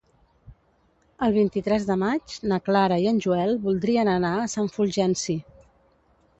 El vint-i-tres de maig na Clara i en Joel voldrien anar a Sant Fulgenci.